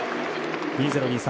２０２３